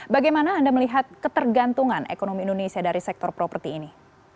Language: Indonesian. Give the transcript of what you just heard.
bagaimana anda melihat ketergantungan ekonomi indonesia dari sektor properti ini